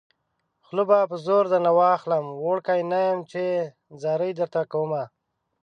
خوله به په زوره درنه واخلم وړوکی نه يم چې ځاري درته کومه